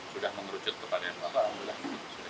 sudah mengerucut kepada bapak alhamdulillah